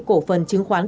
cổ phần chứng khoán